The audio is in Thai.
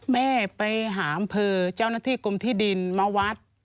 แม่ไปหาอำเภอเจ้าหน้าที่กรมที่ดินมาวัด